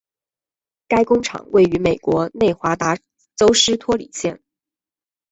该工厂位于美国内华达州斯托里县。